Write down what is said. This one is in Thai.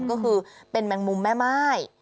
ก็คือเป็นแมงมุมแม่ม่าย